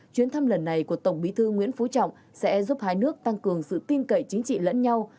chuyến thăm lần này của tổng bí thư nguyễn phú trọng sẽ giúp hai nước tăng cường sự tin cậy chính trị lẫn nhau